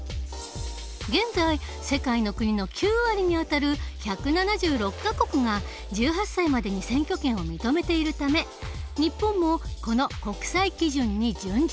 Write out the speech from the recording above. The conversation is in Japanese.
現在世界の国の９割にあたる１７６か国が１８歳までに選挙権を認めているため日本もこの国際基準に準じたい。